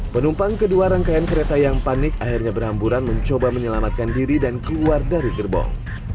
penumpang kedua rangkaian kereta yang panik akhirnya berhamburan mencoba menyelamatkan diri dan keluar dari gerbong